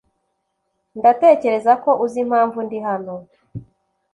Ndatekereza ko uzi impamvu ndi hano .